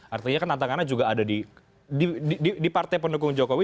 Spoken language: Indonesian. artinya kan tantangannya juga ada di partai pendukung jokowi